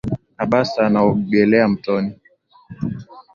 Abbas anaogelea mtoni.